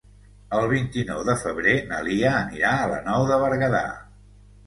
El vint-i-nou de febrer na Lia anirà a la Nou de Berguedà.